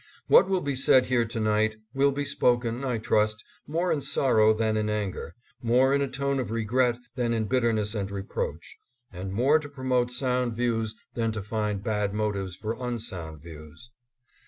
What will be said here to night will be spoken, I trust, more in sorrow than in anger ; more in a tone of regret than in bitterness and reproach, and more to pro mote sound views than to find bad motives for unsound views.